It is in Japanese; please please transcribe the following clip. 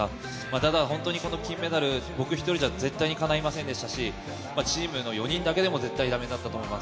ただ、本当この金メダル、僕一人じゃ絶対にかないませんでしたし、チームの４人だけでも絶対だめだったと思います。